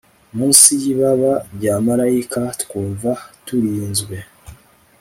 munsi yibaba rya marayika, twumva turinzwe